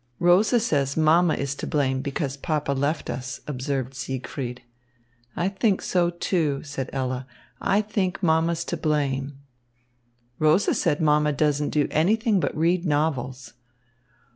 "Rosa says mamma is to blame because papa left us," observed Siegfried. "I think so, too," said Ella. "I think mamma's to blame." "Rosa said mamma doesn't do anything but read novels."